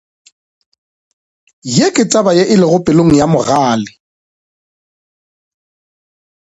Ye ke taba ye elego pelong ya Mogale.